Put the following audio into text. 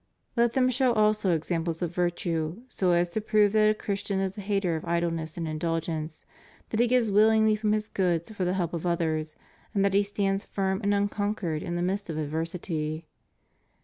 Let them show also examples of virtue, so as to prove that a Christian is a hater of idleness and indulgence, that he gives willingly from his goods for the help of others, and that he stands firm and unconquered in the midst of adversity.